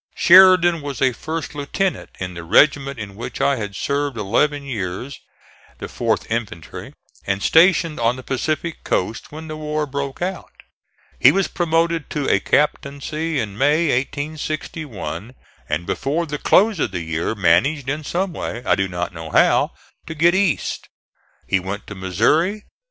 Sheridan was a first lieutenant in the regiment in which I had served eleven years, the 4th infantry, and stationed on the Pacific coast when the war broke out. He was promoted to a captaincy in May, 1861, and before the close of the year managed in some way, I do not know how, to get East. He went to Missouri.